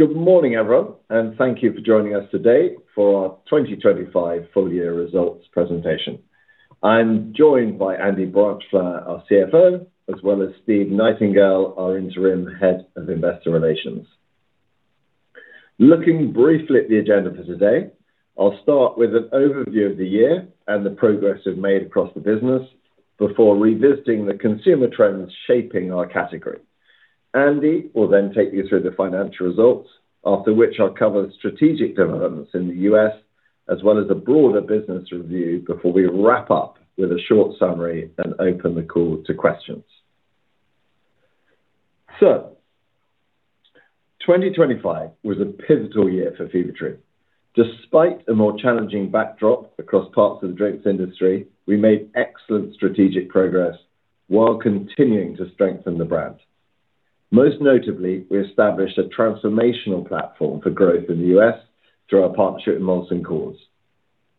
Good morning, everyone, and thank you for joining us today for our 2025 full-year results presentation. I'm joined by Andy Branchflower, our CFO, as well as Steve Nightingale, our Interim Head of Investor Relations. Looking briefly at the agenda for today, I'll start with an overview of the year and the progress we've made across the business before revisiting the consumer trends shaping our category. Andy will then take you through the financial results, after which I'll cover strategic developments in the U.S., as well as a broader business review before we wrap up with a short summary and open the call to questions. Twenty twenty-five was a pivotal year for Fever-Tree. Despite a more challenging backdrop across parts of the drinks industry, we made excellent strategic progress while continuing to strengthen the brand. Most notably, we established a transformational platform for growth in the U.S. through our partnership with Molson Coors.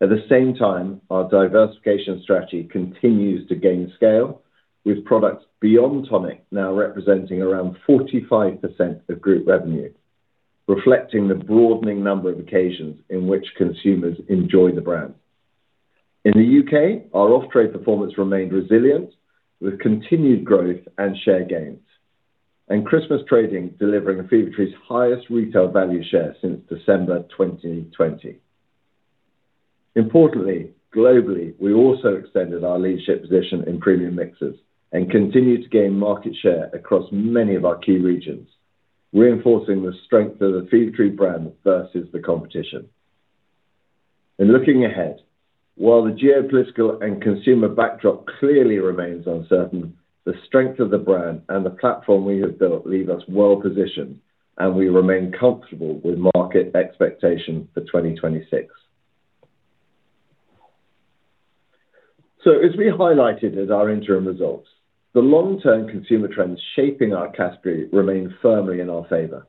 At the same time, our diversification strategy continues to gain scale, with products beyond tonic now representing around 45% of group revenue, reflecting the broadening number of occasions in which consumers enjoy the brand. In the U.K., our off-trade performance remained resilient, with continued growth and share gains, Christmas trading delivering Fever-Tree's highest retail value share since December 2020. Importantly, globally, we also extended our leadership position in premium mixers and continued to gain market share across many of our key regions, reinforcing the strength of the Fever-Tree brand versus the competition. In looking ahead, while the geopolitical and consumer backdrop clearly remains uncertain, the strength of the brand and the platform we have built leave us well positioned, and we remain comfortable with market expectations for 2026. As we highlighted in our interim results, the long-term consumer trends shaping our category remain firmly in our favor.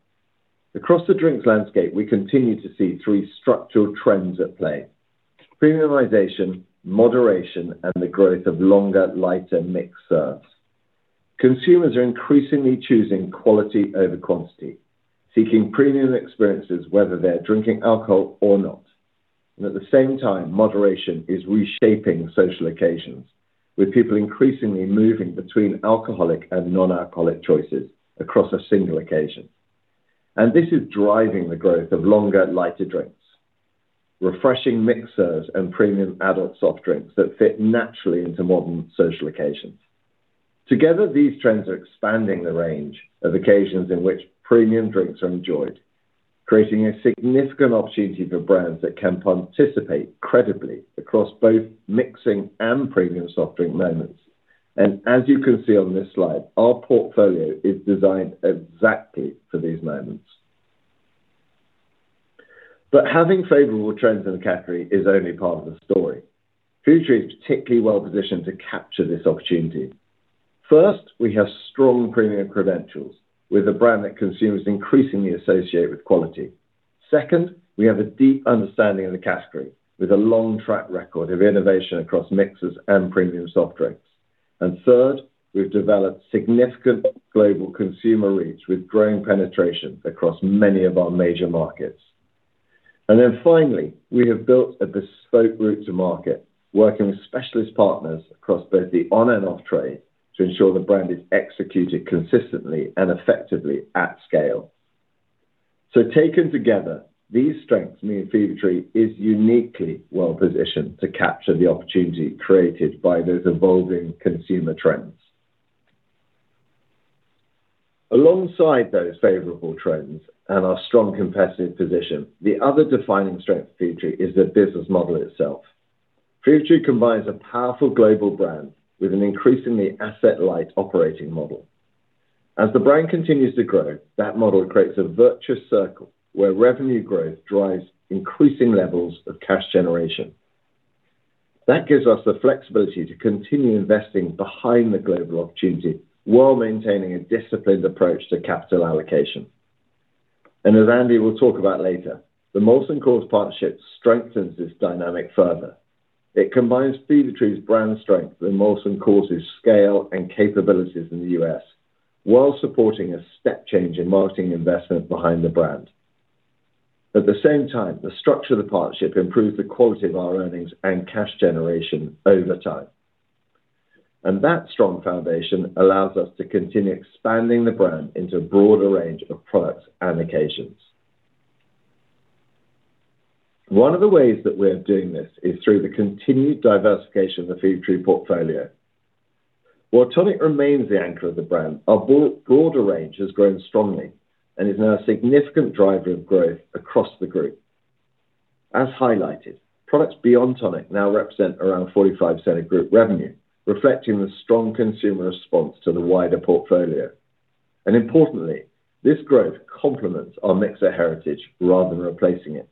Across the drinks landscape, we continue to see three structural trends at play, premiumization, moderation, and the growth of longer, lighter mixed serves. Consumers are increasingly choosing quality over quantity, seeking premium experiences whether they're drinking alcohol or not. At the same time, moderation is reshaping social occasions, with people increasingly moving between alcoholic and non-alcoholic choices across a single occasion. This is driving the growth of longer, lighter drinks, refreshing mixed serves and premium adult soft drinks that fit naturally into modern social occasions. Together, these trends are expanding the range of occasions in which premium drinks are enjoyed, creating a significant opportunity for brands that can participate credibly across both mixing and premium soft drink moments. As you can see on this slide, our portfolio is designed exactly for these moments. Having favorable trends in the category is only part of the story. Fever-Tree is particularly well positioned to capture this opportunity. First, we have strong premium credentials with a brand that consumers increasingly associate with quality. Second, we have a deep understanding of the category with a long track record of innovation across mixers and premium soft drinks. Third, we've developed significant global consumer reach with growing penetration across many of our major markets. Finally, we have built a bespoke route to market, working with specialist partners across both the on- and off-trade to ensure the brand is executed consistently and effectively at scale. Taken together, these strengths mean Fever-Tree is uniquely well positioned to capture the opportunity created by those evolving consumer trends. Alongside those favorable trends and our strong competitive position, the other defining strength of Fever-Tree is the business model itself. Fever-Tree combines a powerful global brand with an increasingly asset-light operating model. As the brand continues to grow, that model creates a virtuous circle where revenue growth drives increasing levels of cash generation. That gives us the flexibility to continue investing behind the global opportunity while maintaining a disciplined approach to capital allocation. As Andy will talk about later, the Molson Coors partnership strengthens this dynamic further. It combines Fever-Tree's brand strength with Molson Coors' scale and capabilities in the U.S. while supporting a step change in marketing investment behind the brand. At the same time, the structure of the partnership improves the quality of our earnings and cash generation over time. That strong foundation allows us to continue expanding the brand into a broader range of products and occasions. One of the ways that we're doing this is through the continued diversification of the Fever-Tree portfolio. While tonic remains the anchor of the brand, our broader range has grown strongly and is now a significant driver of growth across the group. As highlighted, products beyond tonic now represent around 45% of group revenue, reflecting the strong consumer response to the wider portfolio. Importantly, this growth complements our mixer heritage rather than replacing it.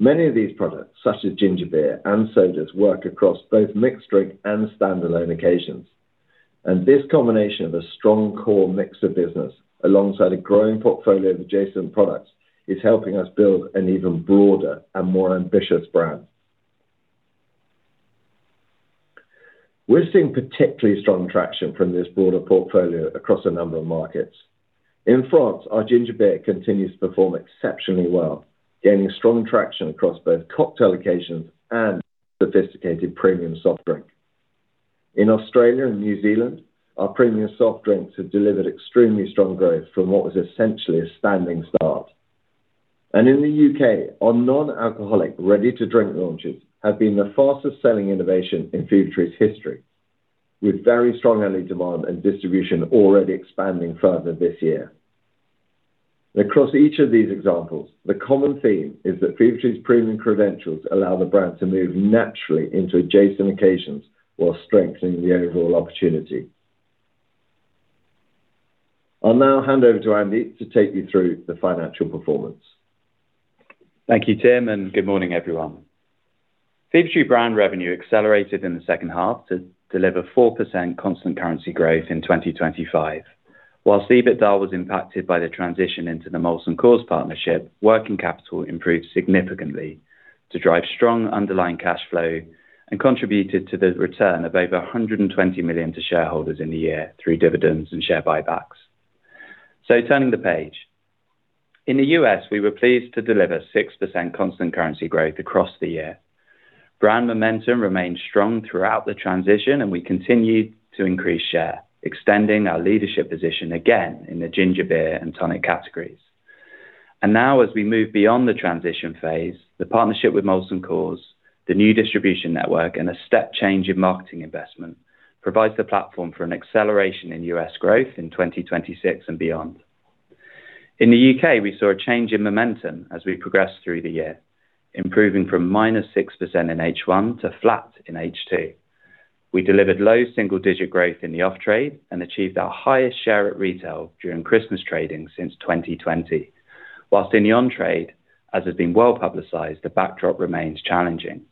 Many of these products, such as ginger beer and sodas, work across both mixed drink and standalone occasions. This combination of a strong core mixer business alongside a growing portfolio of adjacent products is helping us build an even broader and more ambitious brand. We're seeing particularly strong traction from this broader portfolio across a number of markets. In France, our Ginger Beer continues to perform exceptionally well, gaining strong traction across both cocktail occasions and sophisticated premium soft drink. In Australia and New Zealand, our premium soft drinks have delivered extremely strong growth from what was essentially a standing start. In the U.K., our non-alcoholic ready-to-drink launches have been the fastest-selling innovation in Fever-Tree's history, with very strong early demand and distribution already expanding further this year. Across each of these examples, the common theme is that Fever-Tree's premium credentials allow the brand to move naturally into adjacent occasions while strengthening the overall opportunity. I'll now hand over to Andy to take you through the financial performance. Thank you, Tim, and good morning, everyone. Fever-Tree brand revenue accelerated in the second half to deliver 4% constant currency growth in 2025. While EBITDA was impacted by the transition into the Molson Coors partnership, working capital improved significantly to drive strong underlying cash flow and contributed to the return of over 120 million to shareholders in the year through dividends and share buybacks. Turning the page. In the U.S., we were pleased to deliver 6% constant currency growth across the year. Brand momentum remained strong throughout the transition, and we continued to increase share, extending our leadership position again in the ginger beer and tonic categories. Now, as we move beyond the transition phase, the partnership with Molson Coors, the new distribution network, and a step change in marketing investment provides the platform for an acceleration in U.S. Growth in 2026 and beyond. In the U.K., we saw a change in momentum as we progressed through the year, improving from -6% in H1 to flat in H2. We delivered low single-digit growth in the off-trade and achieved our highest share at retail during Christmas trading since 2020. While in the on-trade, as has been well-publicized, the backdrop remains challenging.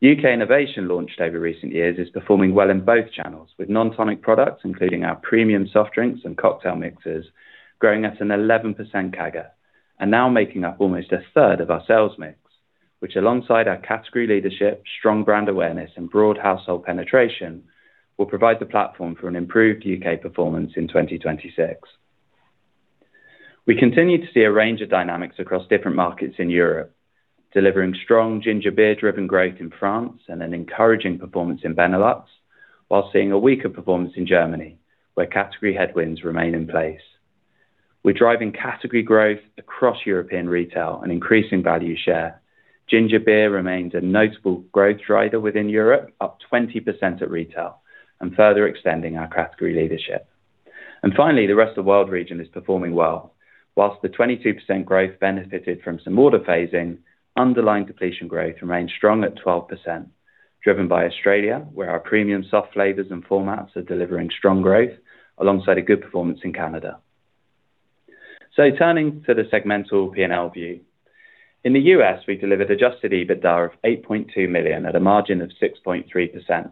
U.K. innovation launched over recent years is performing well in both channels, with non-tonic products, including our premium soft drinks and cocktail mixers, growing at an 11% CAGR and now making up almost a third of our sales mix, which alongside our category leadership, strong brand awareness, and broad household penetration, will provide the platform for an improved U.K. performance in 2026. We continue to see a range of dynamics across different markets in Europe, delivering strong Ginger Beer-driven growth in France and an encouraging performance in Benelux, while seeing a weaker performance in Germany, where category headwinds remain in place. We're driving category growth across European retail and increasing value share. Ginger Beer remains a notable growth driver within Europe, up 20% at retail and further extending our category leadership. Finally, the Rest of World region is performing well. While the 22% growth benefited from some order phasing, underlying depletion growth remained strong at 12%, driven by Australia, where our premium soft flavors and formats are delivering strong growth alongside a good performance in Canada. Turning to the segmental P&L view. In the U.S., we delivered adjusted EBITDA of 8.2 million at a margin of 6.3%.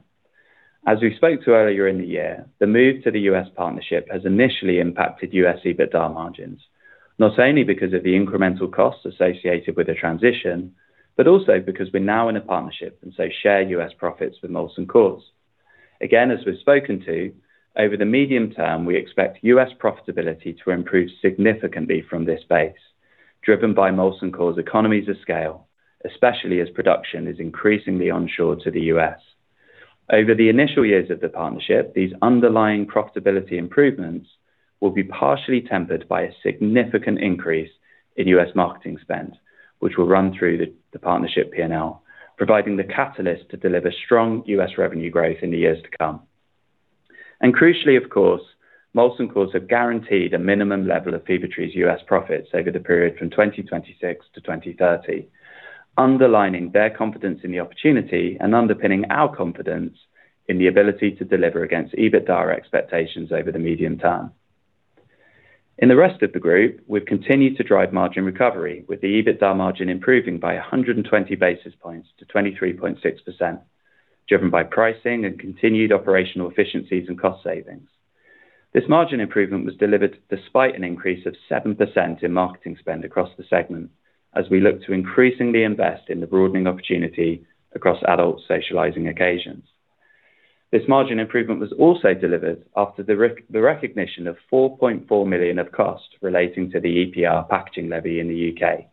As we spoke to earlier in the year, the move to the U.S. partnership has initially impacted U.S. EBITDA margins, not only because of the incremental costs associated with the transition, but also because we're now in a partnership and so share U.S. profits with Molson Coors. Again, as we've spoken to, over the medium term, we expect U.S. profitability to improve significantly from this base, driven by Molson Coors' economies of scale, especially as production is increasingly onshore to the U.S. Over the initial years of the partnership, these underlying profitability improvements will be partially tempered by a significant increase in U.S. marketing spend, which will run through the partnership P&L, providing the catalyst to deliver strong U.S. revenue growth in the years to come. Crucially, of course, Molson Coors have guaranteed a minimum level of Fever-Tree's U.S. profits over the period from 2026-2030, underlining their confidence in the opportunity and underpinning our confidence in the ability to deliver against EBITDA expectations over the medium term. In the Rest of the Group, we've continued to drive margin recovery with the EBITDA margin improving by 120 basis points to 23.6%, driven by pricing and continued operational efficiencies and cost savings. This margin improvement was delivered despite an increase of 7% in marketing spend across the segment as we look to increasingly invest in the broadening opportunity across adult socializing occasions. This margin improvement was also delivered after the recognition of 4.4 million of cost relating to the EPR packaging levy in the U.K.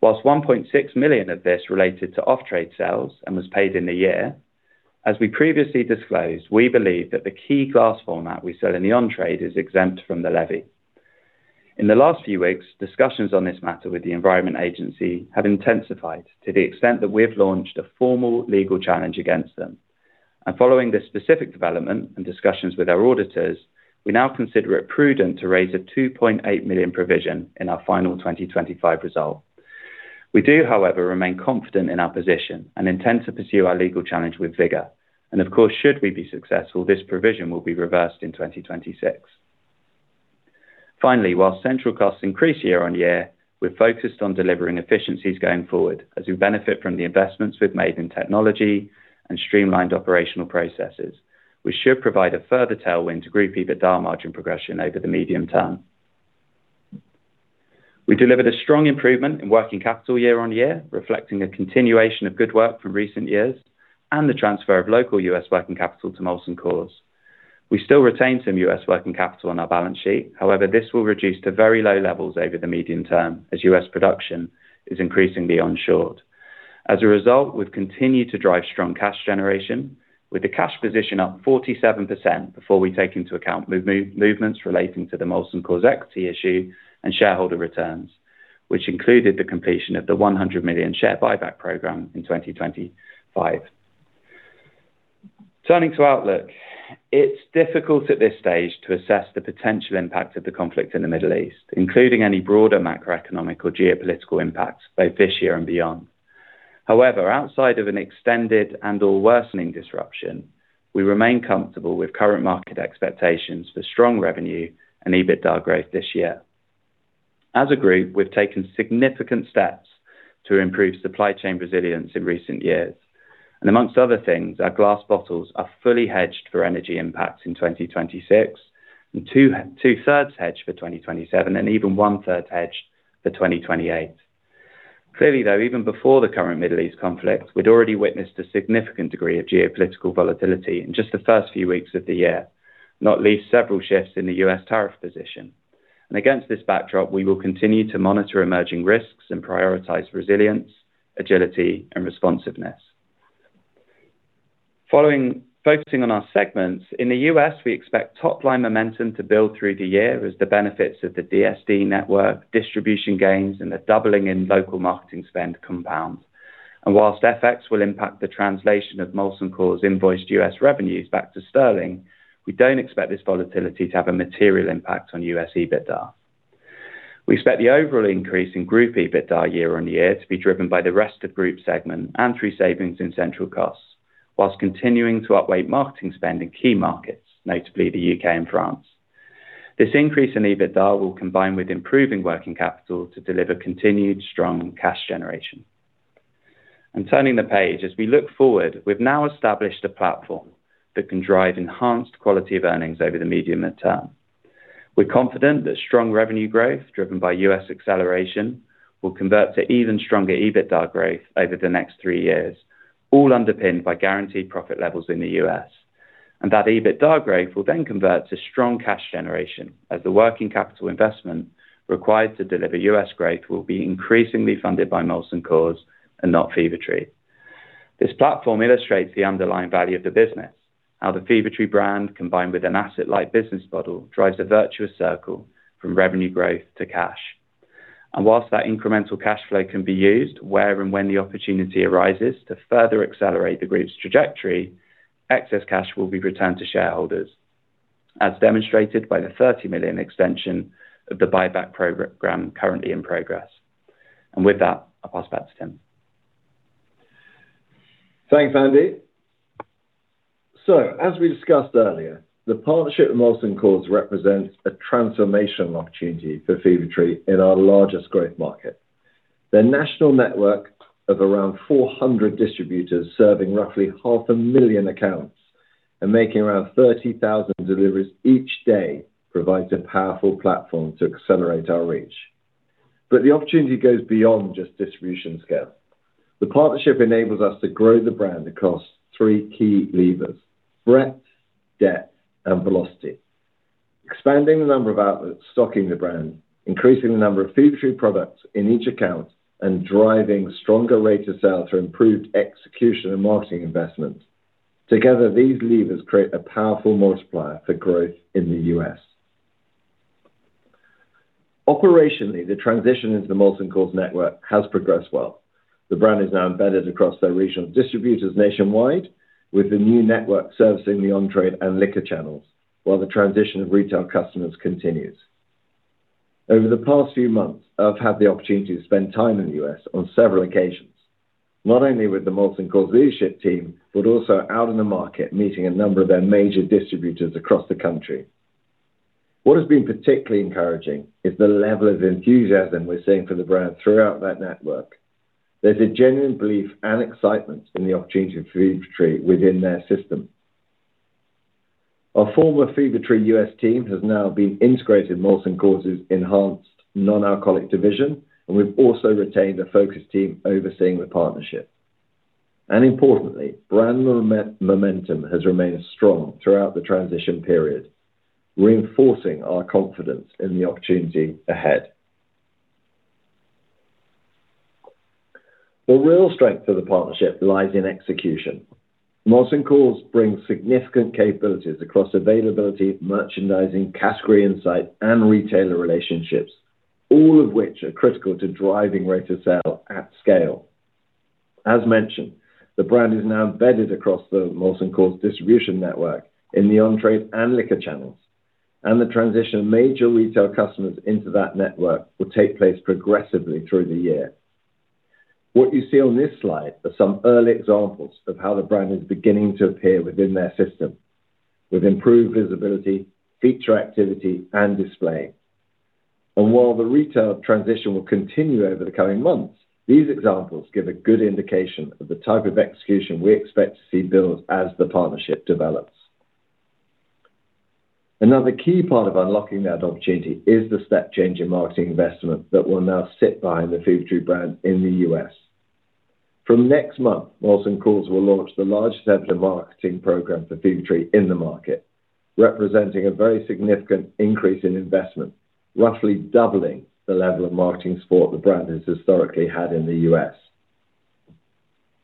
While 1.6 million of this related to off-trade sales and was paid in the year, as we previously disclosed, we believe that the key glass format we sell in the on-trade is exempt from the levy. In the last few weeks, discussions on this matter with the Environment Agency have intensified to the extent that we have launched a formal legal challenge against them. Following this specific development and discussions with our auditors, we now consider it prudent to raise a 2.8 million provision in our final 2025 result. We do, however, remain confident in our position and intend to pursue our legal challenge with vigor. Of course, should we be successful, this provision will be reversed in 2026. Finally, while central costs increase year-on-year, we're focused on delivering efficiencies going forward as we benefit from the investments we've made in technology and streamlined operational processes, which should provide a further tailwind to group EBITDA margin progression over the medium term. We delivered a strong improvement in working capital year-on-year, reflecting a continuation of good work from recent years and the transfer of local U.S. working capital to Molson Coors. We still retain some U.S. working capital on our balance sheet. However, this will reduce to very low levels over the medium term as U.S. production is increasingly onshored. As a result, we've continued to drive strong cash generation with the cash position up 47% before we take into account movements relating to the Molson Coors equity issue and shareholder returns, which included the completion of the 100 million share buyback program in 2025. Turning to outlook. It's difficult at this stage to assess the potential impact of the conflict in the Middle East, including any broader macroeconomic or geopolitical impacts both this year and beyond. However, outside of an extended and/or worsening disruption, we remain comfortable with current market expectations for strong revenue and EBITDA growth this year. As a group, we've taken significant steps to improve supply chain resilience in recent years. Among other things, our glass bottles are fully hedged for energy impacts in 2026, and two-thirds hedged for 2027, and even 1/3 hedged for 2028. Clearly though, even before the current Middle East conflict, we'd already witnessed a significant degree of geopolitical volatility in just the first few weeks of the year, not least several shifts in the U.S. tariff position. Against this backdrop, we will continue to monitor emerging risks and prioritize resilience, agility, and responsiveness. Focusing on our segments. In the U.S., we expect top-line momentum to build through the year as the benefits of the DSD network distribution gains and the doubling in local marketing spend compounds. While FX will impact the translation of Molson Coors invoiced U.S. revenues back to sterling, we don't expect this volatility to have a material impact on U.S. EBITDA. We expect the overall increase in group EBITDA year-on-year to be driven by the Rest of Group segment and through savings in central costs, while continuing to upweight marketing spend in key markets, notably the U.K. and France. This increase in EBITDA will combine with improving working capital to deliver continued strong cash generation. Turning the page. As we look forward, we've now established a platform that can drive enhanced quality of earnings over the medium- and long-term. We're confident that strong revenue growth driven by U.S. acceleration will convert to even stronger EBITDA growth over the next three years, all underpinned by guaranteed profit levels in the U.S. That EBITDA growth will then convert to strong cash generation as the working capital investment required to deliver U.S. growth will be increasingly funded by Molson Coors and not Fever-Tree. This platform illustrates the underlying value of the business, how the Fever-Tree brand, combined with an asset-light business model, drives a virtuous circle from revenue growth to cash. While that incremental cash flow can be used where and when the opportunity arises to further accelerate the group's trajectory, excess cash will be returned to shareholders, as demonstrated by the 30 million extension of the buyback program currently in progress. With that, I'll pass back to Tim. Thanks, Andy. As we discussed earlier, the partnership with Molson Coors represents a transformational opportunity for Fever-Tree in our largest growth market. Their national network of around 400 distributors serving roughly 500,000 accounts and making around 30,000 deliveries each day provides a powerful platform to accelerate our reach. The opportunity goes beyond just distribution scale. The partnership enables us to grow the brand across three key levers, breadth, depth, and velocity. Expanding the number of outlets stocking the brand, increasing the number of Fever-Tree products in each account, and driving stronger rate of sale through improved execution and marketing investment. Together, these levers create a powerful multiplier for growth in the U.S. Operationally, the transition into the Molson Coors network has progressed well. The brand is now embedded across their regional distributors nationwide, with the new network servicing the on-trade and liquor channels while the transition of retail customers continues. Over the past few months, I've had the opportunity to spend time in the U.S. on several occasions, not only with the Molson Coors leadership team, but also out in the market, meeting a number of their major distributors across the country. What has been particularly encouraging is the level of enthusiasm we're seeing for the brand throughout that network. There's a genuine belief and excitement in the opportunity for Fever-Tree within their system. Our former Fever-Tree U.S. team has now been integrated in Molson Coors' enhanced non-alcoholic division, and we've also retained a focus team overseeing the partnership. Importantly, brand momentum has remained strong throughout the transition period, reinforcing our confidence in the opportunity ahead. The real strength of the partnership lies in execution. Molson Coors brings significant capabilities across availability, merchandising, category insight, and retailer relationships, all of which are critical to driving rate of sale at scale. As mentioned, the brand is now embedded across the Molson Coors distribution network in the on-trade and liquor channels, and the transition of major retail customers into that network will take place progressively through the year. What you see on this slide are some early examples of how the brand is beginning to appear within their system with improved visibility, feature activity, and display. While the retail transition will continue over the coming months, these examples give a good indication of the type of execution we expect to see build as the partnership develops. Another key part of unlocking that opportunity is the step change in marketing investment that will now sit behind the Fever-Tree brand in the U.S. From next month, Molson Coors will launch the largest-ever marketing program for Fever-Tree in the market, representing a very significant increase in investment, roughly doubling the level of marketing support the brand has historically had in the U.S.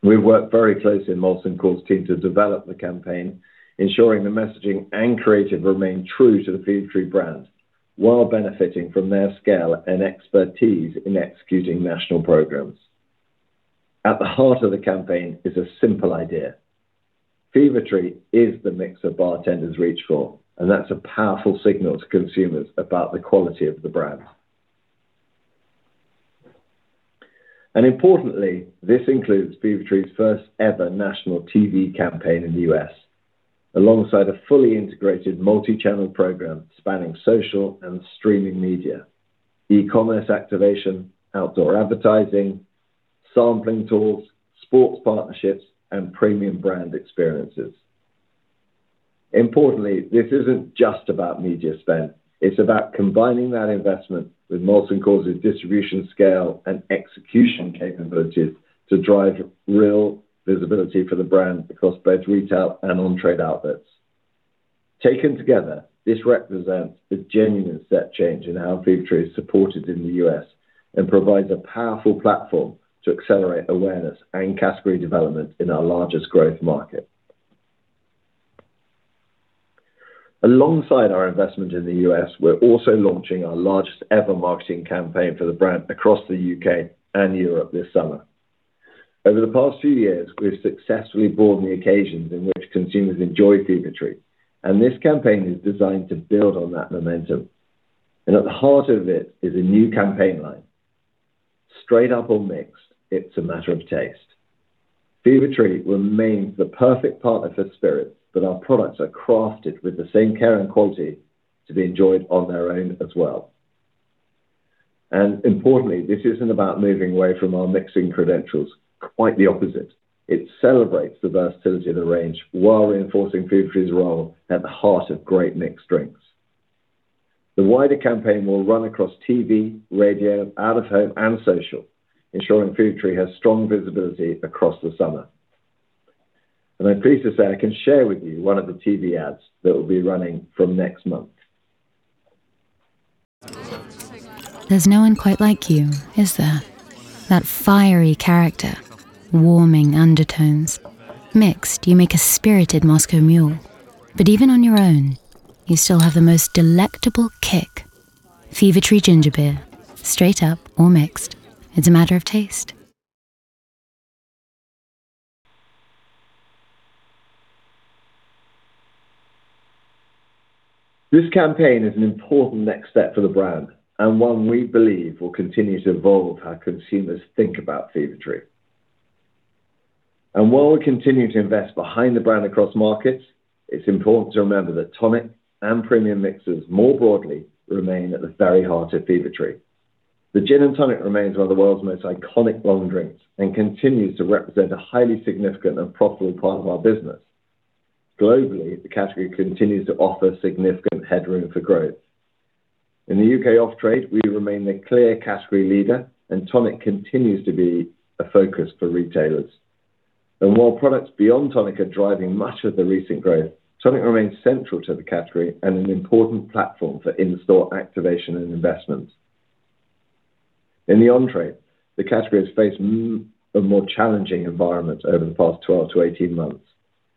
We've worked very closely with the Molson Coors team to develop the campaign, ensuring the messaging and creative remain true to the Fever-Tree brand while benefiting from their scale and expertise in executing national programs. At the heart of the campaign is a simple idea. Fever-Tree is the mix that bartenders reach for, and that's a powerful signal to consumers about the quality of the brand. Importantly, this includes Fever-Tree's first-ever national TV campaign in the U.S., alongside a fully integrated multi-channel program spanning social and streaming media, e-commerce activation, outdoor advertising, sampling tools, sports partnerships, and premium brand experiences. Importantly, this isn't just about media spend. It's about combining that investment with Molson Coors' distribution scale and execution capabilities to drive real visibility for the brand across both retail and on-trade outlets. Taken together, this represents a genuine step change in how Fever-Tree is supported in the U.S. and provides a powerful platform to accelerate awareness and category development in our largest growth market. Alongside our investment in the U.S., we're also launching our largest ever marketing campaign for the brand across the U.K. and Europe this summer. Over the past few years, we've successfully broadened the occasions in which consumers enjoy Fever-Tree, and this campaign is designed to build on that momentum. At the heart of it is a new campaign line, "Straight up or mixed, it's a matter of taste." Fever-Tree remains the perfect partner for spirits, but our products are crafted with the same care and quality to be enjoyed on their own as well. Importantly, this isn't about moving away from our mixing credentials. Quite the opposite. It celebrates the versatility of the range while reinforcing Fever-Tree's role at the heart of great mixed drinks. The wider campaign will run across TV, radio, out-of-home, and social, ensuring Fever-Tree has strong visibility across the summer. I'm pleased to say I can share with you one of the TV ads that will be running from next month. There's no one quite like you, is there? That fiery character, warming undertones. Mixed, you make a spirited Moscow Mule. But even on your own, you still have the most delectable kick. Fever-Tree Ginger Beer, straight up or mixed. It's a matter of taste. This campaign is an important next step for the brand and one we believe will continue to evolve how consumers think about Fever-Tree. While we continue to invest behind the brand across markets, it's important to remember that tonic and premium mixers more broadly remain at the very heart of Fever-Tree. The gin and tonic remains one of the world's most iconic long drinks and continues to represent a highly significant and profitable part of our business. Globally, the category continues to offer significant headroom for growth. In the U.K. off-trade, we remain the clear category leader and tonic continues to be a focus for retailers. While products beyond tonic are driving much of the recent growth, tonic remains central to the category and an important platform for in-store activation and investment. In the on-trade, the category has faced a more challenging environment over the past 12-18 months,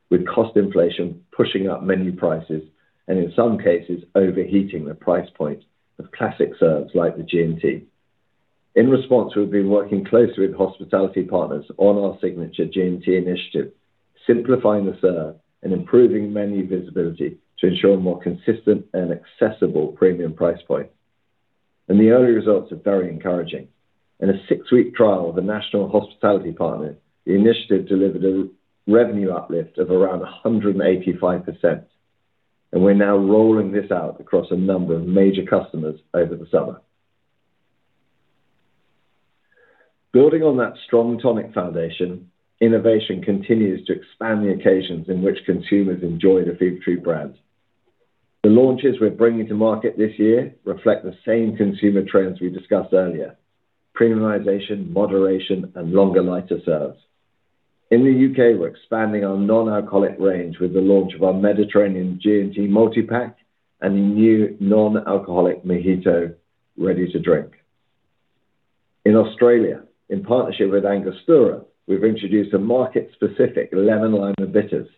with cost inflation pushing up menu prices and in some cases overheating the price point of classic serves like the G&T. In response, we've been working closely with hospitality partners on our Signature G&T initiative, simplifying the serve and improving menu visibility to ensure a more consistent and accessible premium price point. The early results are very encouraging. In a six-week trial with a national hospitality partner, the initiative delivered a revenue uplift of around 185%, and we're now rolling this out across a number of major customers over the summer. Building on that strong tonic foundation, innovation continues to expand the occasions in which consumers enjoy the Fever-Tree brand. The launches we're bringing to market this year reflect the same consumer trends we discussed earlier, premiumization, moderation, and longer lighter serves. In the U.K., we're expanding our non-alcoholic range with the launch of our Mediterranean G&T multipack and new non-alcoholic mojito ready-to-drink. In Australia, in partnership with Angostura, we've introduced a market-specific Lemon, Lime & Bitters,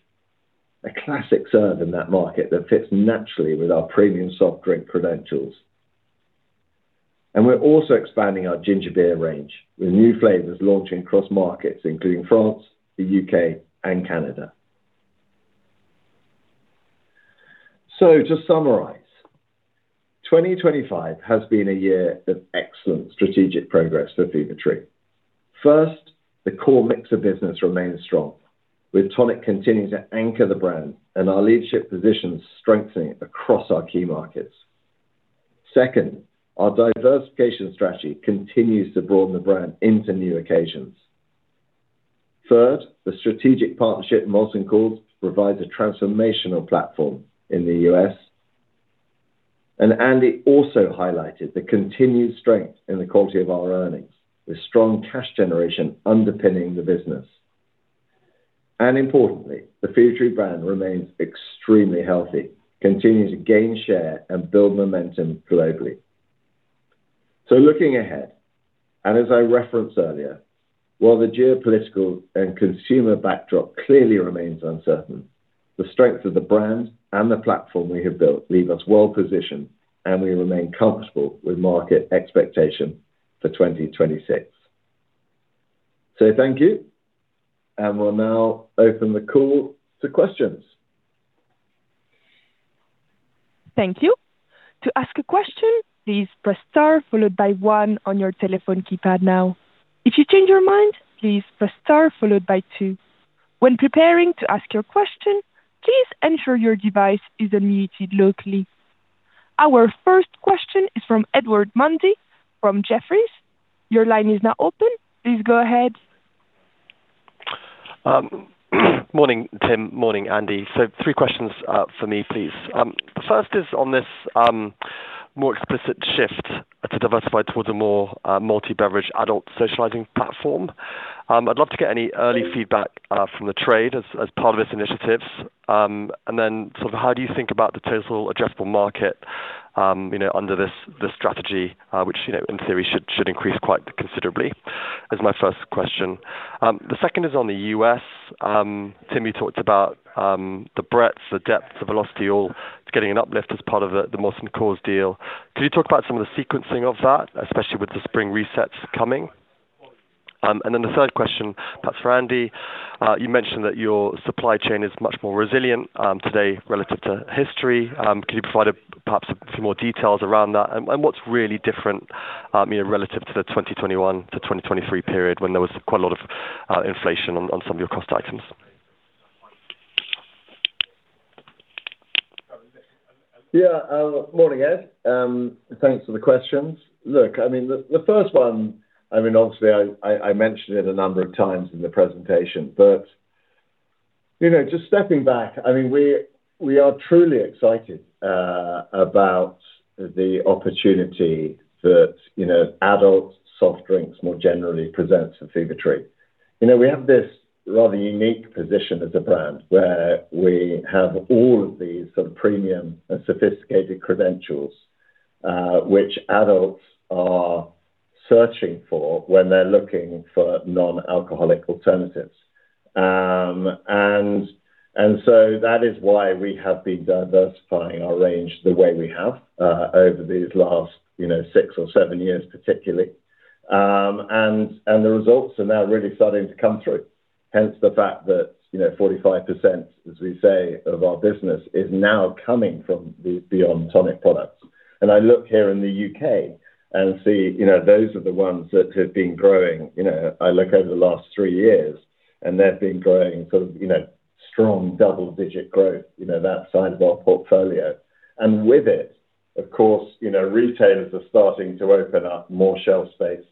a classic serve in that market that fits naturally with our premium soft drink credentials. We're also expanding our Ginger Beer range with new flavors launching across markets, including France, the U.K., and Canada. To summarize, 2025 has been a year of excellent strategic progress for Fever-Tree. First, the core mixer business remains strong, with tonic continuing to anchor the brand and our leadership position strengthening across our key markets. Second, our diversification strategy continues to broaden the brand into new occasions. Third, the strategic partnership Molson Coors provides a transformational platform in the U.S. Andy also highlighted the continued strength in the quality of our earnings, with strong cash generation underpinning the business. Importantly, the Fever-Tree brand remains extremely healthy, continuing to gain share and build momentum globally. Looking ahead, and as I referenced earlier, while the geopolitical and consumer backdrop clearly remains uncertain, the strength of the brand and the platform we have built leave us well positioned, and we remain comfortable with market expectation for 2026. Thank you. We'll now open the call to questions. Thank you. Our first question is from Edward Mundy from Jefferies. Your line is now open. Please go ahead. Morning, Tim. Morning, Andy. Three questions for me, please. The first is on this more explicit shift to diversify towards a more multi-beverage adult socializing platform. I'd love to get any early feedback from the trade as part of its initiatives. Then sort of how do you think about the total addressable market you know under this strategy which you know in theory should increase quite considerably, is my first question. The second is on the U.S. Tim, you talked about the breadth, the depth, the velocity, all getting an uplift as part of the Molson Coors deal. Can you talk about some of the sequencing of that, especially with the spring resets coming? Then the third question, perhaps for Andy. You mentioned that your supply chain is much more resilient today relative to history. Can you provide perhaps some more details around that? What's really different, you know, relative to the 2021-2023 period when there was quite a lot of inflation on some of your cost items? Morning, Ed. Thanks for the questions. Look, I mean, the first one—I mean, obviously, I mentioned it a number of times in the presentation—but you know, just stepping back, I mean, we are truly excited about the opportunity that you know, adult soft drinks more generally presents for Fever-Tree. You know, we have this rather unique position as a brand where we have all of these sort of premium and sophisticated credentials which adults are searching for when they're looking for non-alcoholic alternatives. That is why we have been diversifying our range the way we have over these last you know, six or seven years particularly. The results are now really starting to come through, hence the fact that, you know, 45%, as we say, of our business is now coming from the beyond tonic products. I look here in the U.K. and see, you know, those are the ones that have been growing. You know, I look over the last three years, and they've been growing sort of, you know, strong double-digit growth, you know, that side of our portfolio. With it, of course, you know, retailers are starting to open up more shelf space.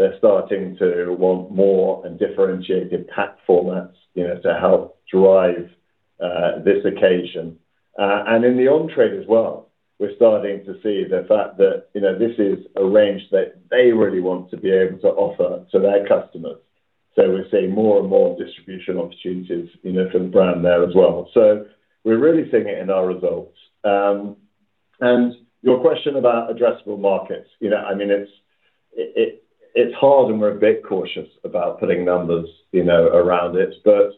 They're starting to want more and differentiated pack formats, you know, to help drive this occasion. In the on-trade as well, we're starting to see the fact that, you know, this is a range that they really want to be able to offer to their customers. We're seeing more and more distribution opportunities, you know, for the brand there as well. We're really seeing it in our results. Your question about addressable markets. You know, I mean, it's hard, and we're a bit cautious about putting numbers, you know, around it. But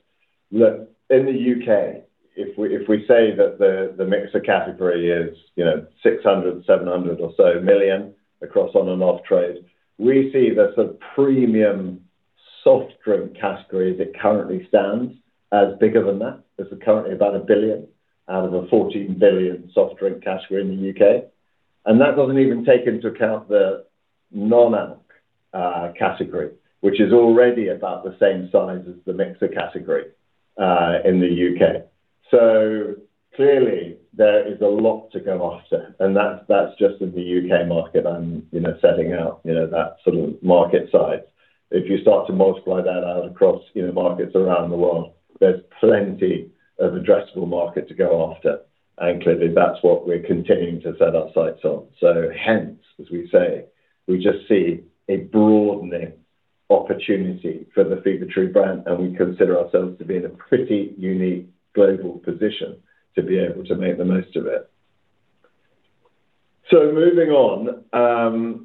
look, in the U.K., if we say that the mixer category is, you know, 600 million-700 million or so across on- and off-trade, we see that the premium soft drink category that currently stands as bigger than that. It's currently about 1 billion out of a 14 billion soft drink category in the U.K. That doesn't even take into account the non-alcoholic category, which is already about the same size as the mixer category in the U.K. Clearly, there is a lot to go after, and that's just in the U.K. market and, you know, setting out, you know, that sort of market size. If you start to multiply that out across, you know, markets around the world, there's plenty of addressable market to go after. And clearly, that's what we're continuing to set our sights on. Hence, as we say, we just see a broadening opportunity for the Fever-Tree brand, and we consider ourselves to be in a pretty unique global position to be able to make the most of it. Moving on,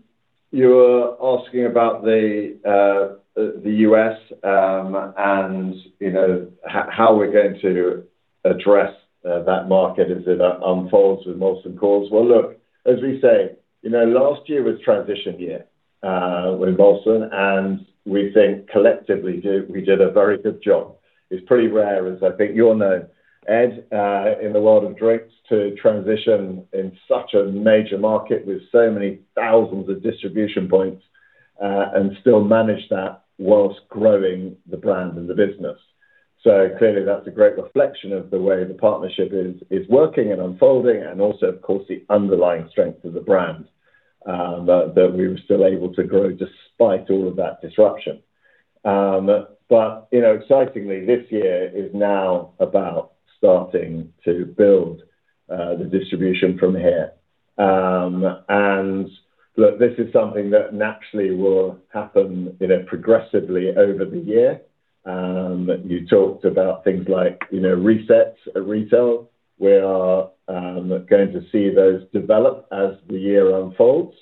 you're asking about the U.S., and you know, how we're going to address that market as it unfolds with Molson Coors. Well, look, as we say, you know, last year was transition year with Molson, and we think collectively we did a very good job. It's pretty rare, as I think you'll know, Ed, in the world of drinks to transition in such a major market with so many thousands of distribution points, and still manage that whilst growing the brand and the business. Clearly, that's a great reflection of the way the partnership is working and unfolding and also, of course, the underlying strength of the brand that we were still able to grow despite all of that disruption. You know, excitingly, this year is now about starting to build the distribution from here. Look, this is something that naturally will happen, you know, progressively over the year. You talked about things like, you know, resets at retail. We are going to see those develop as the year unfolds.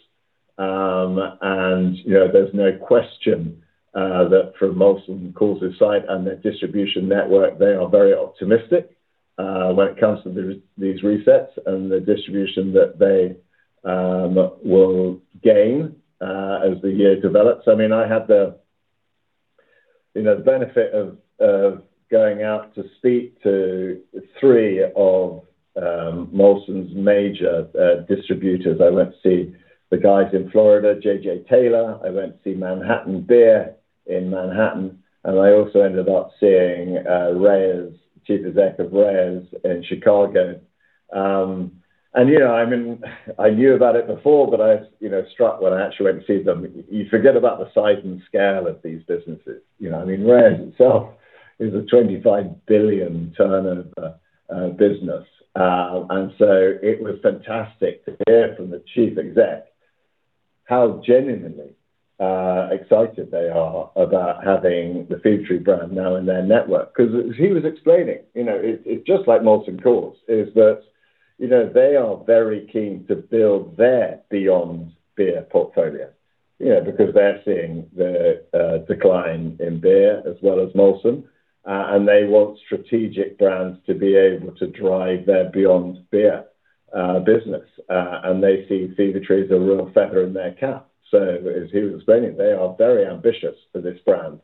You know, there's no question that for Molson Coors' side and their distribution network, they are very optimistic when it comes to these resets and the distribution that they will gain as the year develops. I mean, I had you know, the benefit of going out to speak to three of Molson's major distributors. I went to see the guys in Florida, J.J. Taylor. I went to see Manhattan Beer in Manhattan, and I also ended up seeing Reyes, chief exec of Reyes in Chicago. You know, I mean, I knew about it before, but I you know, was struck when I actually went to see them. You forget about the size and scale of these businesses, you know. I mean, Reyes itself is a $25 billion turnover business. It was fantastic to hear from the chief exec how genuinely excited they are about having the Fever-Tree brand now in their network. 'Cause as he was explaining, you know, it's just like Molson Coors, is that, you know, they are very keen to build their beyond beer portfolio, you know, because they're seeing the decline in beer as well as Molson. They want strategic brands to be able to drive their beyond beer business. They see Fever-Tree as a real feather in their cap. As he was explaining, they are very ambitious for this brand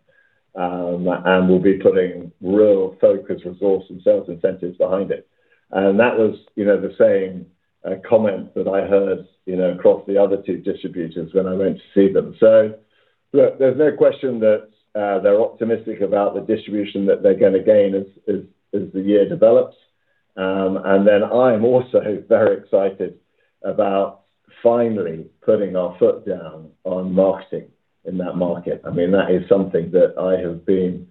and will be putting real focus, resource, and sales incentives behind it. That was, you know, the same comment that I heard, you know, across the other two distributors when I went to see them. Look, there's no question that they're optimistic about the distribution that they're gonna gain as the year develops. I'm also very excited about finally putting our foot down on marketing in that market. I mean, that is something that I have been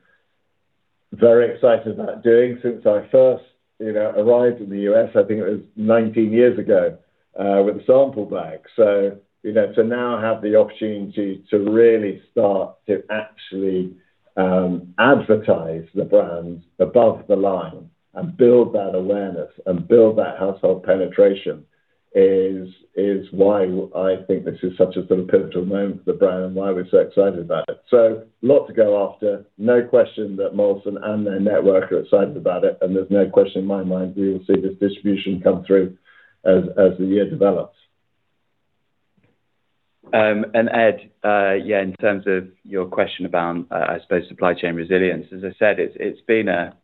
very excited about doing since I first, you know, arrived in the U.S., I think it was 19 years ago with a sample bag. You know, to now have the opportunity to really start to actually advertise the brand above the line and build that awareness and build that household penetration is why I think this is such a sort of pivotal moment for the brand and why we're so excited about it. A lot to go after. No question that Molson and their network are excited about it, and there's no question in my mind we will see this distribution come through as the year develops. Ed, yeah, in terms of your question about, I suppose supply chain resilience, as I said, it's been a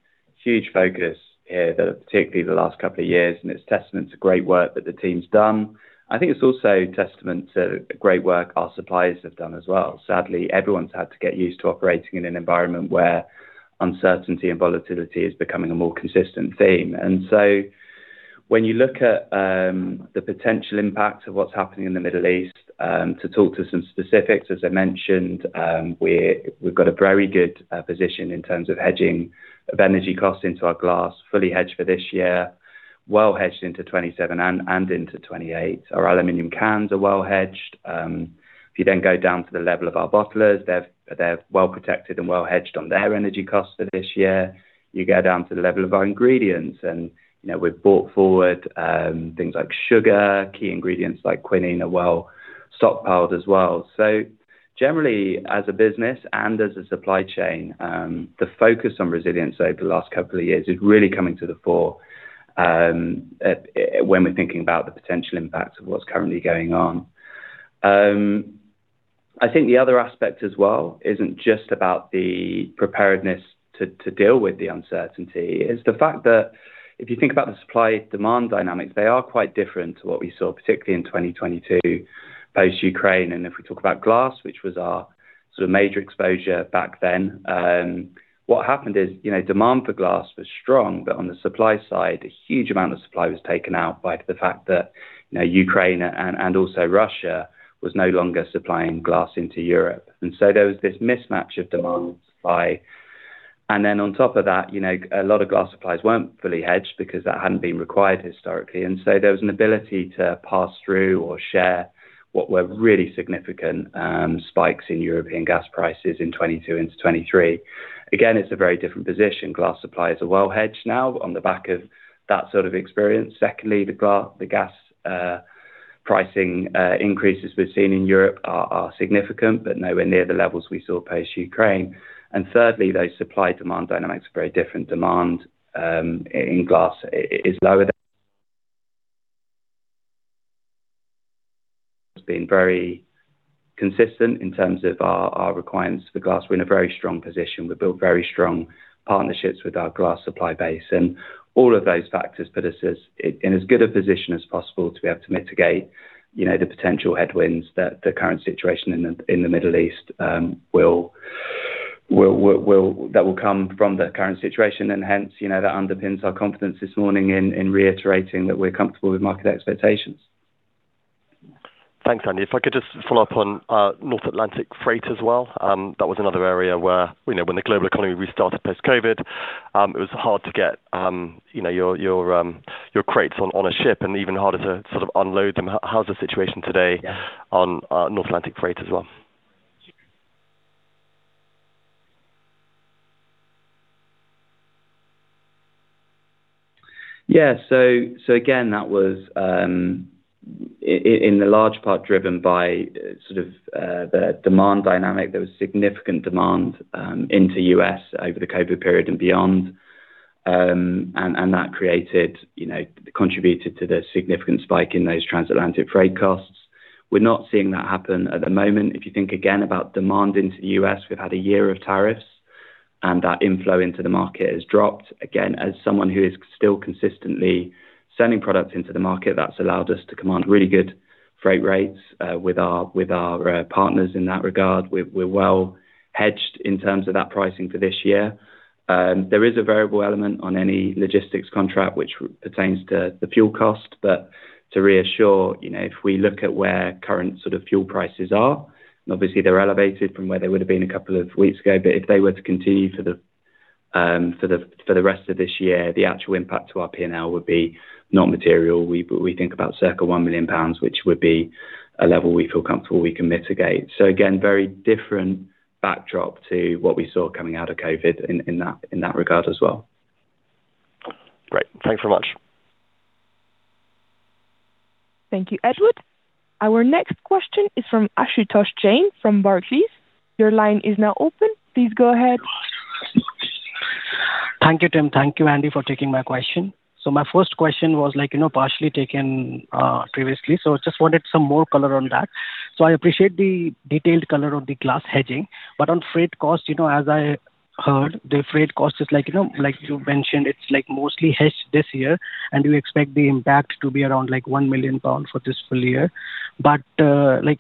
huge focus here, particularly the last couple of years, and it's testament to great work that the team's done. I think it's also testament to the great work our suppliers have done as well. Sadly, everyone's had to get used to operating in an environment where uncertainty and volatility is becoming a more consistent theme. When you look at the potential impact of what's happening in the Middle East, to talk to some specifics, as I mentioned, we've got a very good position in terms of hedging of energy costs into our glass, fully hedged for this year, well hedged into 2027 and into 2028. Our aluminum cans are well hedged. If you then go down to the level of our bottlers, they're well protected and well hedged on their energy costs for this year. You go down to the level of our ingredients and, you know, we've bought forward things like sugar, key ingredients like quinine are well stockpiled as well. Generally, as a business and as a supply chain, the focus on resilience over the last couple of years is really coming to the fore when we're thinking about the potential impact of what's currently going on. I think the other aspect as well isn't just about the preparedness to deal with the uncertainty. It's the fact that if you think about the supply-demand dynamics, they are quite different to what we saw, particularly in 2022 post Ukraine. If we talk about glass, which was our sort of major exposure back then, what happened is, you know, demand for glass was strong, but on the supply side, a huge amount of supply was taken out by the fact that, you know, Ukraine and also Russia was no longer supplying glass into Europe. There was this mismatch of demand supply. On top of that, you know, a lot of glass suppliers weren't fully hedged because that hadn't been required historically. There was an ability to pass through or share what were really significant spikes in European gas prices in 2022 into 2023. Again, it's a very different position. Glass suppliers are well hedged now on the back of that sort of experience. Secondly, the gas pricing increases we've seen in Europe are significant, but nowhere near the levels we saw post Ukraine. Thirdly, those supply demand dynamics are very different. Demand in glass is lower than it has been very consistent in terms of our requirements for glass. We're in a very strong position. We've built very strong partnerships with our glass supply base. All of those factors put us in as good a position as possible to be able to mitigate, you know, the potential headwinds that the current situation in the Middle East will come from the current situation and hence, you know, that underpins our confidence this morning in reiterating that we're comfortable with market expectations. Thanks, Andy. If I could just follow up on North Atlantic freight as well. That was another area where, you know, when the global economy restarted post-COVID, it was hard to get, you know, your crates on a ship and even harder to sort of unload them. How's the situation today? Yeah. Question on North Atlantic freight as well? Again, that was in large part driven by sort of the demand dynamic. There was significant demand into the U.S. over the COVID period and beyond. That created, you know, contributed to the significant spike in those transatlantic freight costs. We're not seeing that happen at the moment. If you think again about demand into the U.S., we've had a year of tariffs, and that inflow into the market has dropped. Again, as someone who is still consistently sending product into the market, that's allowed us to command really good freight rates with our partners in that regard. We're well hedged in terms of that pricing for this year. There is a variable element on any logistics contract which pertains to the fuel cost. To reassure, you know, if we look at where current sort of fuel prices are, and obviously they're elevated from where they would've been a couple of weeks ago, but if they were to continue for the rest of this year, the actual impact to our P&L would be not material. We think about circa 1 million pounds, which would be a level we feel comfortable we can mitigate. Again, very different backdrop to what we saw coming out of COVID in that regard as well. Great. Thanks so much. Thank you, Edward. Our next question is from Ashutosh Jain from Barclays. Your line is now open. Please go ahead. Thank you, Tim. Thank you, Andy, for taking my question. My first question was like, you know, partially taken, previously, so just wanted some more color on that. I appreciate the detailed color of the glass hedging, but on freight cost, you know, as I heard, the freight cost is like, you know, like you mentioned, it's like mostly hedged this year, and you expect the impact to be around like 1 million pound for this full year. Like,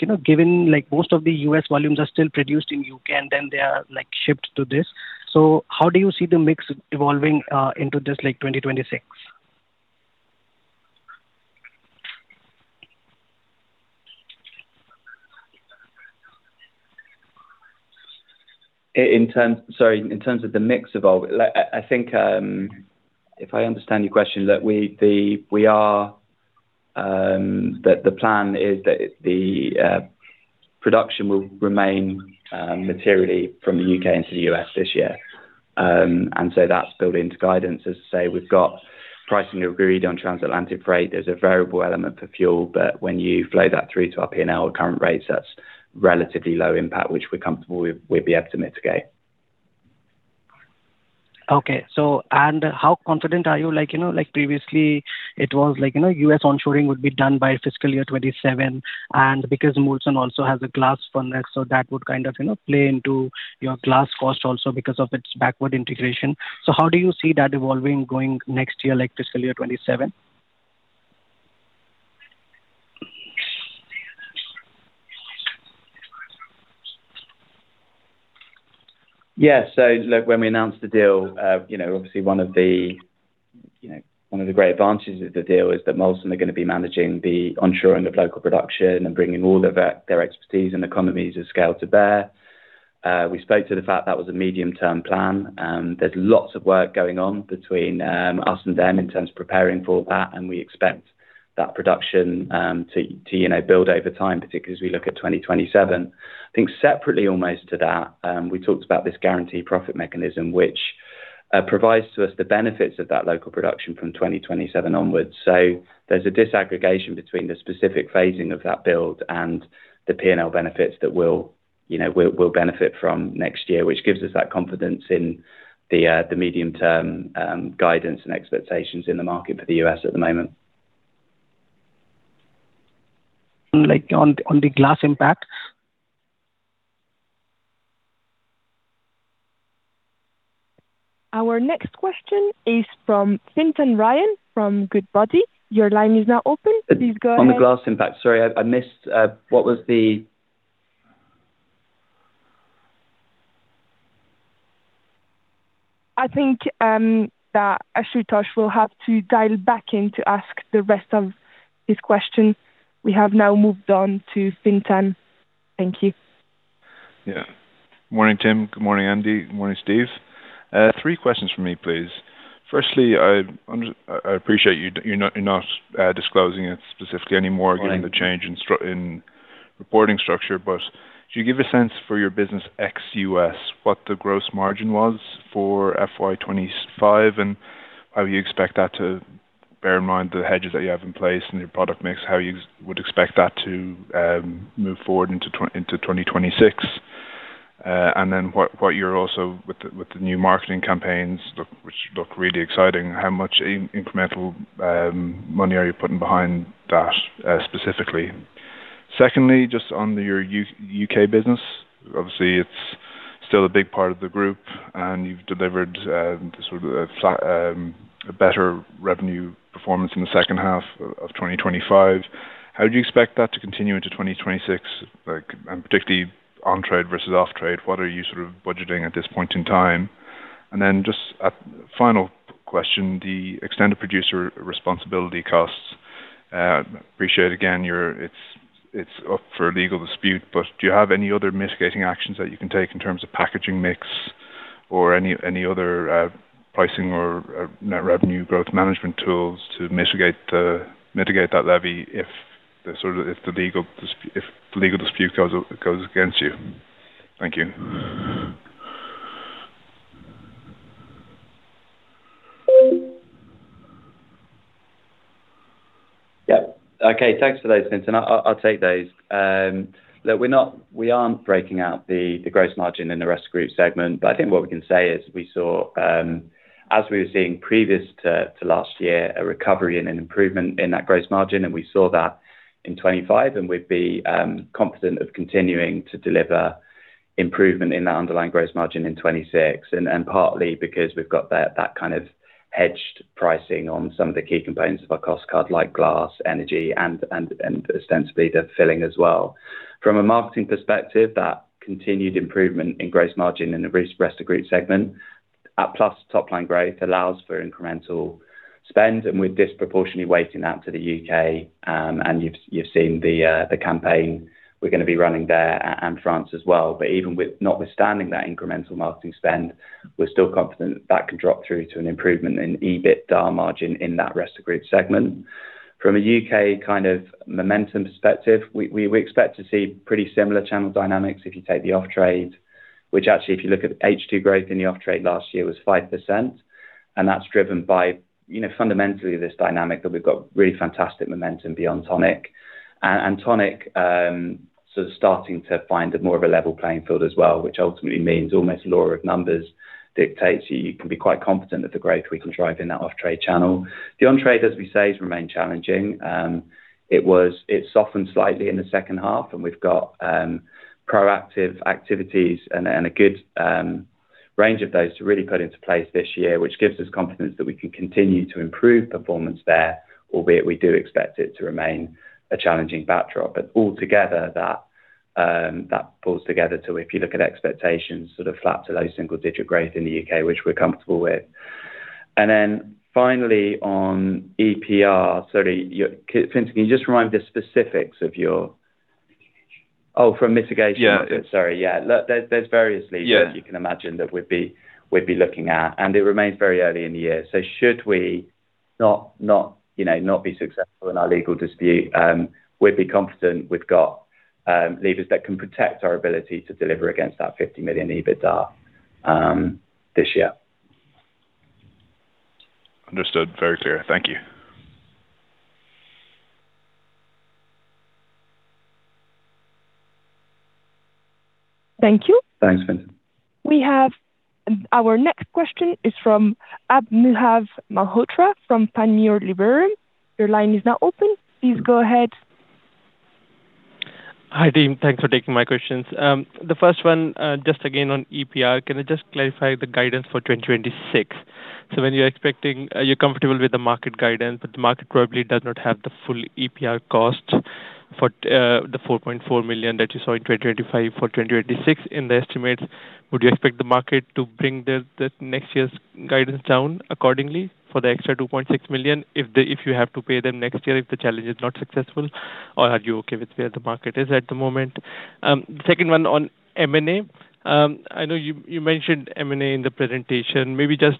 you know, given like most of the U.S. volumes are still produced in U.K. and then they are like shipped to this. How do you see the mix evolving, into this like 2026? Sorry, in terms of the mix evolving, I think, if I understand your question, look, we are, the plan is that the production will remain materially from the U.K. into the U.S. this year; that's built into guidance. As I say, we've got pricing agreed on transatlantic freight. There's a variable element for fuel, but when you flow that through to our P&L at current rates, that's relatively low impact, which we're comfortable with, we'd be able to mitigate. Okay. How confident are you like, you know, like previously it was like, you know, U.S. onshoring would be done by fiscal year 2027 and because Molson also has a glass furnace, so that would kind of, you know, play into your glass cost also because of its backward integration. How do you see that evolving going next year, like fiscal year 2027? Yeah. Look, when we announced the deal, you know, obviously one of the, you know, one of the great advantages of the deal is that Molson are gonna be managing the onshoring of local production and bringing all of their expertise and economies of scale to bear. We spoke to the fact that was a medium-term plan, and there's lots of work going on between us and them in terms of preparing for that, and we expect that production to you know build over time, particularly as we look at 2027. I think separately almost to that, we talked about this guaranteed profit mechanism which provides to us the benefits of that local production from 2027 onwards. There's a disaggregation between the specific phasing of that build and the P&L benefits that we'll, you know, benefit from next year, which gives us that confidence in the medium-term guidance and expectations in the market for the U.S. at the moment. Like on the glass impact? Our next question is from Fintan Ryan from Goodbody. Your line is now open. Please go ahead. On the glass impact. Sorry, I missed what was the. [inaudible] I think, that Ashutosh will have to dial back in to ask the rest of his question. We have now moved on to Fintan. Thank you. Yeah. Morning, Tim. Good morning, Andy. Morning, Steve. Three questions from me, please. Firstly, I appreciate you're not disclosing it specifically anymore. Right. Given the change in reporting structure. Could you give a sense for your business ex-U.S., what the gross margin was for FY 2025 and how you expect that, bearing in mind the hedges that you have in place and your product mix, to move forward into 2026? And then with the new marketing campaigns, which look really exciting, how much incremental money are you putting behind that specifically? Secondly, just on your U.K. business, obviously it's still a big part of the group and you've delivered sort of flat to better revenue performance in the second half of 2025. How do you expect that to continue into 2026? Like, particularly on-trade versus off-trade, what are you sort of budgeting at this point in time? Then just a final question, the Extended Producer Responsibility costs. I appreciate again, it's up for a legal dispute, but do you have any other mitigating actions that you can take in terms of packaging mix or any other pricing or net revenue growth management tools to mitigate that levy if the legal dispute goes against you? Thank you. Yeah. Okay. Thanks for those, Fintan. I'll take those. Look, we aren't breaking out the gross margin in the Rest of Group segment, but I think what we can say is we saw, as we were seeing previous to last year, a recovery and an improvement in that gross margin. We saw that in 2025, and we'd be confident of continuing to deliver improvement in that underlying gross margin in 2026. Partly because we've got that kind of hedged pricing on some of the key components of our cost card like glass, energy, and ostensibly the filling as well. From a marketing perspective, that continued improvement in gross margin in the Rest of Group segment plus top-line growth allows for incremental spend, and we're disproportionately weighting that to the U.K. You've seen the campaign we're gonna be running there and France as well. Even with notwithstanding that incremental marketing spend, we're still confident that can drop through to an improvement in EBITDA margin in that Rest of Group segment. From a U.K. kind of momentum-perspective, we expect to see pretty similar channel dynamics if you take the off-trade, which actually, if you look at H2 growth in the off-trade last year was 5%. That's driven by, you know, fundamentally this dynamic that we've got really fantastic momentum beyond tonic. And tonic sort of starting to find more of a level playing field as well, which ultimately means almost law of numbers dictates you can be quite confident that the growth we can drive in that off-trade channel. The on-trade, as we say, has remained challenging. It softened slightly in the second half, and we've got proactive activities and a good range of those to really put into place this year, which gives us confidence that we can continue to improve performance there, albeit we do expect it to remain a challenging backdrop. All together, that pulls together. If you look at expectations sort of flat to low single-digit growth in the U.K., which we're comfortable with. Finally on EPR. Sorry, Fintan, can you just remind the specifics of your—oh, from mitigation? Yeah. Sorry. Yeah. Look, there's various levers. Yeah. That you can imagine that we'd be looking at, and it remains very early in the year. So should we not, you know, be successful in our legal dispute, we'd be confident we've got levers that can protect our ability to deliver against that 50 million EBITDA this year. Understood. Very clear. Thank you. Thank you. Thanks, Fintan. Our next question is from Anubhav Malhotra from Panmure Liberum. Your line is now open. Please go ahead. Hi, team. Thanks for taking my questions. The first one, just again on EPR. Can I just clarify the guidance for 2026? So are you comfortable with the market guidance? The market probably does not have the full EPR cost for the 4.4 million that you saw in 2025 for 2026 in the estimates. Would you expect the market to bring the next year's guidance down accordingly for the extra 2.6 million if you have to pay them next year if the challenge is not successful? Or are you okay with where the market is at the moment? The second one on M&A. I know you mentioned M&A in the presentation. Maybe just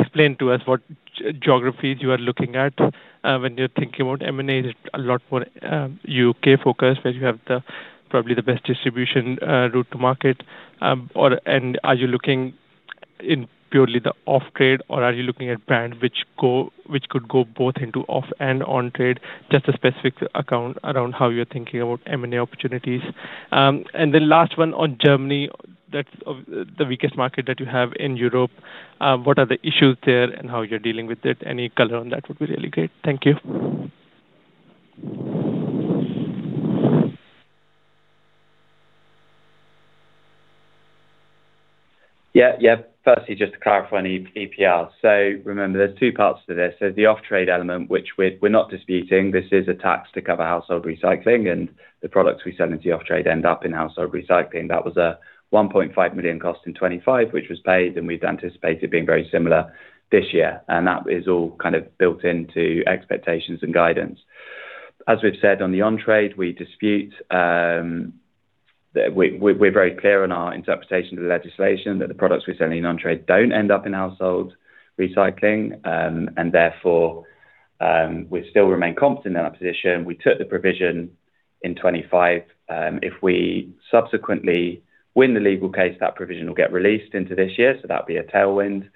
explain to us what geographies you are looking at when you're thinking about M&A. Is it a lot more U.K.-focused, where you have the probably the best distribution route to market? Or are you looking in purely the off-trade, or are you looking at brand which could go both into off and on-trade? Just a specific account around how you're thinking about M&A opportunities. The last one on Germany. That's the weakest market that you have in Europe. What are the issues there and how you're dealing with it? Any color on that would be really great. Thank you. Firstly, just to clarify on EPR. Remember, there are two parts to this. There is the off-trade element, which we are not disputing. This is a tax to cover household recycling and the products we sell into the off-trade end up in household recycling. That was a 1.5 million cost in 2025, which was paid, and we would anticipate it being very similar this year. That is all kind of built into expectations and guidance. As we have said on the on-trade, we dispute. We are very clear in our interpretation of the legislation that the products we are selling in on-trade do not end up in household recycling. Therefore, we still remain confident in our position. We took the provision in 2025. If we subsequently win the legal case, that provision will get released into this year, so that would be a tailwind.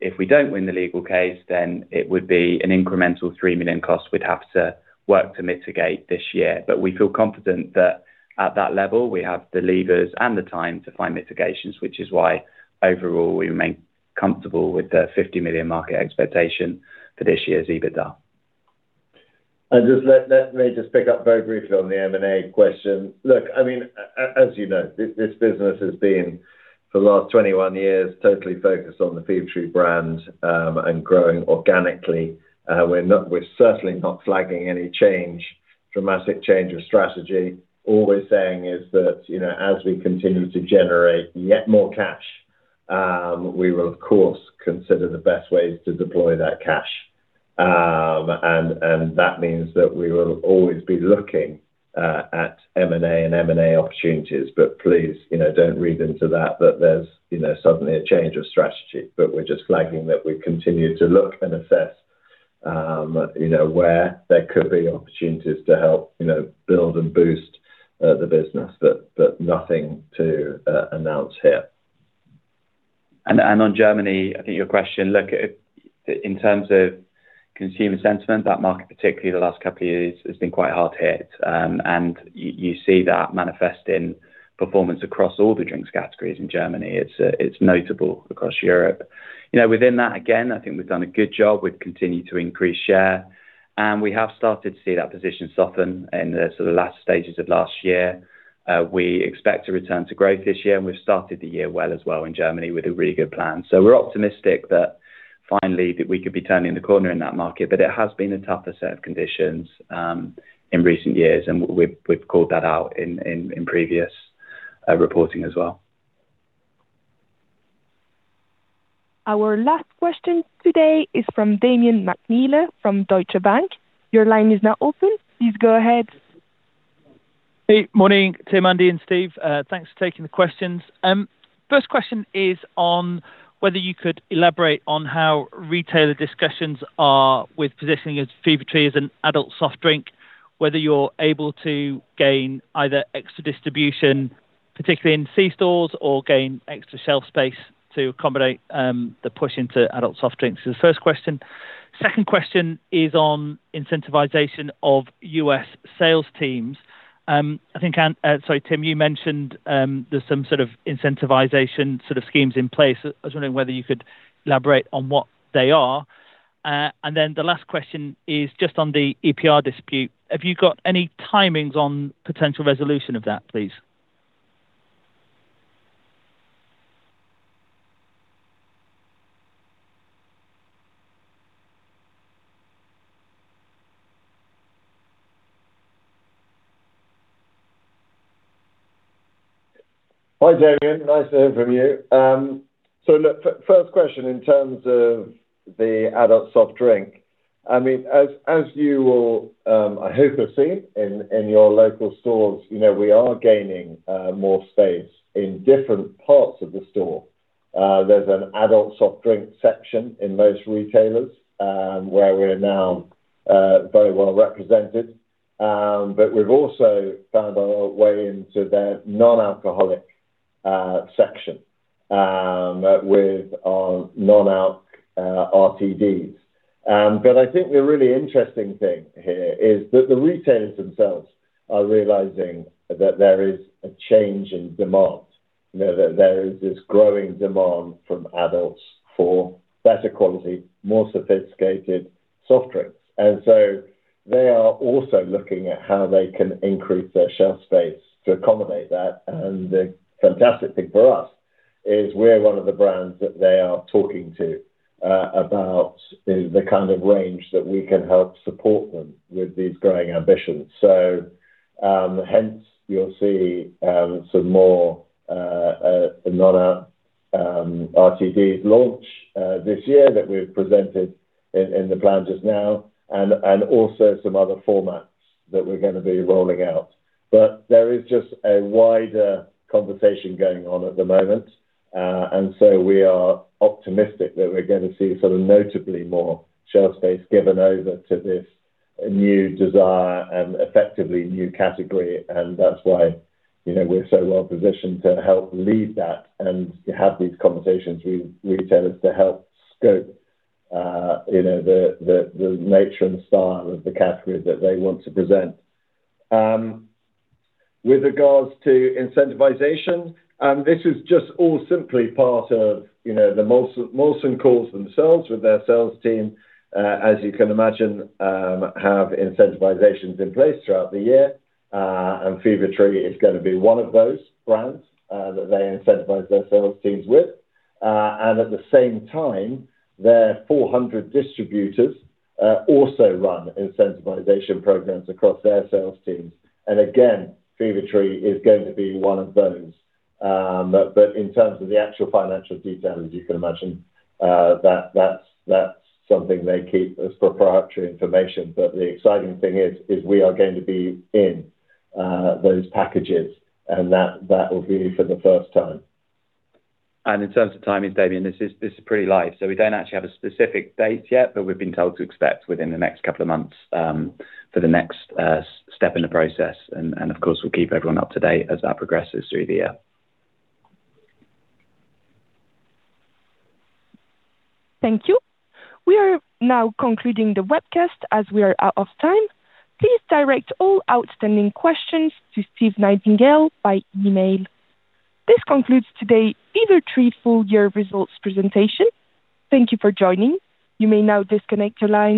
If we don't win the legal case, then it would be an incremental 3 million cost we'd have to work to mitigate this year. We feel confident that at that level, we have the levers and the time to find mitigations, which is why overall we remain comfortable with the 50 million market expectation for this year's EBITDA. Just let me just pick up very briefly on the M&A question. Look, I mean, as you know, this business has been, for the last 21 years, totally focused on the Fever-Tree brand, and growing organically. We're certainly not flagging any change, dramatic change of strategy. All we're saying is that, you know, as we continue to generate yet more cash, we will of course consider the best ways to deploy that cash. That means that we will always be looking at M&A opportunities. Please, you know, don't read into that there's, you know, suddenly a change of strategy. We're just flagging that we continue to look and assess, you know, where there could be opportunities to help, you know, build and boost the business. Nothing to announce here. On Germany, I think your question, look, in terms of consumer sentiment, that market, particularly the last couple of years, has been quite hard hit and you see that manifest in performance across all the drinks categories in Germany. It's notable across Europe. You know, within that, again, I think we've done a good job. We've continued to increase share, and we have started to see that position soften in the sort of last stages of last year. we expect to return to growth this year, and we've started the year well as well in Germany with a really good plan. we're optimistic that finally that we could be turning the corner in that market. It has been a tougher set of conditions in recent years, and we've called that out in previous reporting as well. Our last question today is from Damian McNeela from Deutsche Bank. Your line is now open. Please go ahead. Hey, morning, Tim, Andy, and Steve. Thanks for taking the questions. First question is on whether you could elaborate on how retailer discussions are with positioning as Fever-Tree as an adult soft drink, whether you're able to gain either extra distribution, particularly in C-stores or gain extra shelf space to accommodate the push into adult soft drinks. The first question. Second question is on incentivization of U.S. sales teams. I think, sorry, Tim, you mentioned, there's some sort of incentivization sort of schemes in place. I was wondering whether you could elaborate on what they are. The last question is just on the EPR dispute. Have you got any timings on potential resolution of that, please? Hi, Damian. Nice to hear from you. So look, first question in terms of the adult soft drink. I mean, as you will, I hope have seen in your local stores, you know, we are gaining more space in different parts of the store. There's an adult soft drink section in most retailers, where we're now very well represented. But we've also found our way into their non-alcoholic section with our non-alcoholic RTDs. But I think the really interesting thing here is that the retailers themselves are realizing that there is a change in demand, you know, that there is this growing demand from adults for better quality, more sophisticated soft drinks. They are also looking at how they can increase their shelf space to accommodate that. The fantastic thing for us is we're one of the brands that they are talking to about the kind of range that we can help support them with these growing ambitions. Hence, you'll see some more non-alcoholic RTDs launch this year that we've presented in the plan just now and also some other formats that we're gonna be rolling out. There is just a wider conversation going on at the moment. We are optimistic that we're gonna see sort of notably more shelf space given over to this new desire and effectively new category. That's why, you know, we're so well positioned to help lead that and have these conversations with retailers to help scope, you know, the nature and style of the category that they want to present. With regards to incentivization, this is just all simply part of, you know, the Molson Coors themselves with their sales team, as you can imagine, have incentivizations in place throughout the year. Fever-Tree is gonna be one of those brands that they incentivize their sales teams with. At the same time, their 400 distributors also run incentivization programs across their sales teams. Again, Fever-Tree is going to be one of those. In terms of the actual financial details, as you can imagine, that's something they keep as proprietary information. The exciting thing is we are going to be in those packages, and that will be for the first time. In terms of timing, Damian, this is pretty live. We don't actually have a specific date yet, but we've been told to expect within the next couple of months for the next step in the process. Of course, we'll keep everyone up to date as that progresses through the year. Thank you. We are now concluding the webcast as we are out of time. Please direct all outstanding questions to Steve Nightingale by email. This concludes today's Fever-Tree full-year results presentation. Thank you for joining. You may now disconnect your lines.